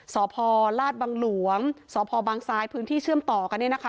สภลาศบังหลวงสภบางซ้ายพื้นที่เชื่อมต่อกันนี่นะคะ